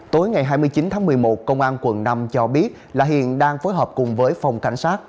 tối ngày hai mươi chín tháng một mươi một công an quận năm cho biết là hiện đang phối hợp cùng với phòng cảnh sát